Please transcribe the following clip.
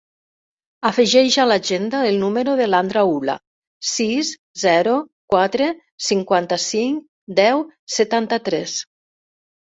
Afegeix a l'agenda el número de l'Andra Ullah: sis, zero, quatre, cinquanta-cinc, deu, setanta-tres.